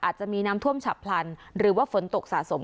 อาจจะมีน้ำท่วมฉับพลันหรือว่าฝนตกสะสม